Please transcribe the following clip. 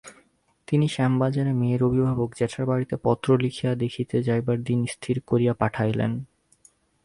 তিনি শ্যামবাজারে মেয়ের অভিভাবক জেঠার বাড়িতে পত্র লিখিয়া দেখিতে যাইবার দিন স্থির করিয়া পাঠাইলেন।